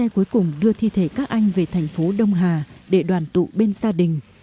cuối cùng đưa thi thể các anh về thành phố đông hà để đoàn tụ bên gia đình